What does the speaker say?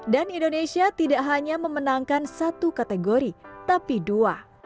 dan indonesia tidak hanya memenangkan satu kategori tapi dua